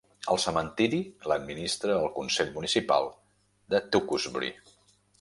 El cementiri l'administra el consell municipal de Tewkesbury.